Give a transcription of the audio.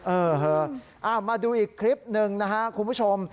เออมาดูอีกคลิปหนึ่งนะครับคุณผู้ชม